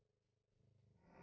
kabur lagi kejar kejar kejar